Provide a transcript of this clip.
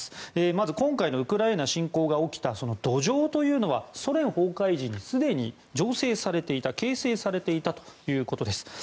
まず、今回のウクライナ侵攻が起きた土壌というのはソ連崩壊時にすでに醸成されていた、形成されていたということです。